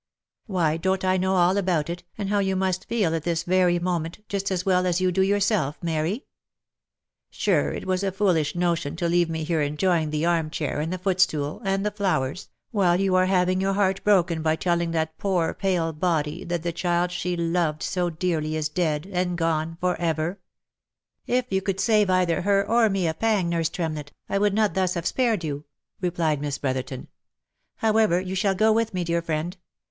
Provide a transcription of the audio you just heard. Why, don't I know all about it, and how you must feel at this very moment, just as well as you do yourself, Mary ? Sure it was a foolish notion to leave me here enjoying the arm chair and the foot stool, and the flowers, while you are having your heart broken by telling that poor pale body, that the child she loved so dearly is dead and gone for ever." " If you could save either her or me a pang, nurse Tremlett, I would not thus have spared you," replied Miss Brotherton. " However, you shall go with me, dear friend.